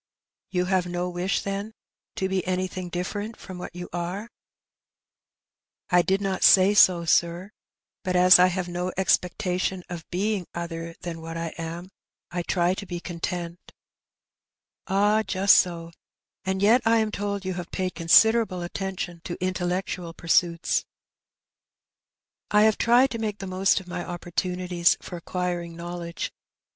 " You have no wish, then, to be anything different from what you are ?" "I did not say so, sir; but as I have no expectation of being other than what I am, I try to be content.^ >i Recognition. 253 ''Ah, just so; and yet I am told you have paid con siderable attention to intellectual pursuits/' " I have tried to make the most of my opportunities for acquiring knowledge.